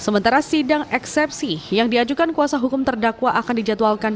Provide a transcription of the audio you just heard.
sementara sidang eksepsi yang diajukan kuasa hukum terdakwa akan dijadwalkan